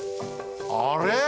あれ？